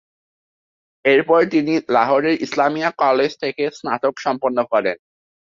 এরপর তিনি লাহোরের ইসলামিয়া কলেজ থেকে স্নাতক সম্পন্ন করেন।